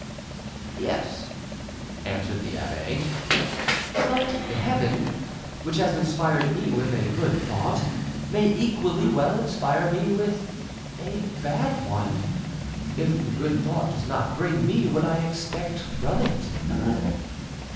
"Yes," answered the abbe, "but Heaven, which has inspired me with a good thought, may equally well inspire me with a bad one, if the good thought does not bring me what I expect from it."